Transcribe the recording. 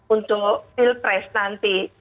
untuk pilpres nanti